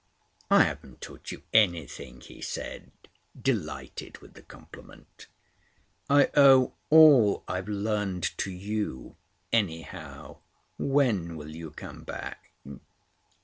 "I haven't taught you anything," he said, delighted with the compliment. "I owe all I've learned to you, anyhow. When will you come back?"